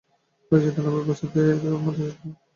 বিরজিত নামের বাচ্চাদের মতো দেখতে এক মাদকাসক্ত মেয়ে।